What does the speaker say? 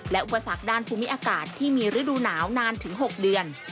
และอุปสรรคด้านภูมิอากาศที่มีฤดูหนาวนานถึง๖เดือน